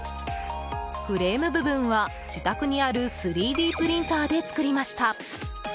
フレーム部分は自宅にある３Ｄプリンターで作りました。